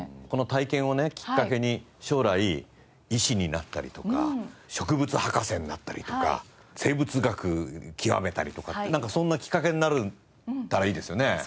この体験をねきっかけに将来医師になったりとか植物博士になったりとか生物学究めたりとかってそんなきっかけになれたらいいですよね。